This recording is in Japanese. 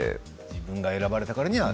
自分が選ばれたからには？